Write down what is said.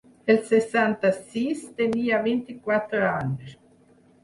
El setanta-sis tenia vint-i-quatre anys.